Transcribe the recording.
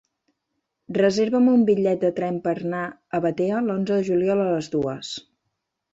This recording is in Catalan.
Reserva'm un bitllet de tren per anar a Batea l'onze de juliol a les dues.